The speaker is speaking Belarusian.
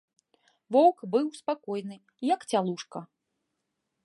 Воўк быў спакойны, як цялушка.